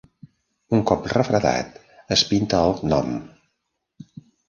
Un cop refredat, es pinta el gnom.